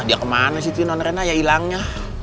dia kemana sih itu londrena ya hilangnya